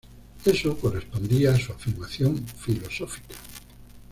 Eso correspondía a su afirmación filosófica.